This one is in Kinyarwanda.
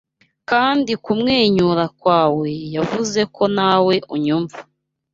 Kandi kumwenyura kwawe yavuze ko nawe unyumva